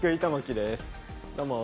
どうも。